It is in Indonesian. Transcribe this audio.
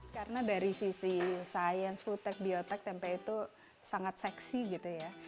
karena dari sisi sains foodtech biotek tempe itu sangat seksi gitu ya